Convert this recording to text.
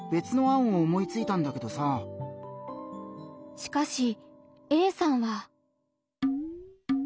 しかしＡさんは。